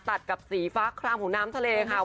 ตัดกับสีฟ้าคลามของน้ำทะเลค่ะ